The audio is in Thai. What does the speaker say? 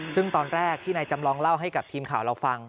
ซึ่งตอนแรกที่นายจำลองเล่าให้กับทีมข่าวเราฟัง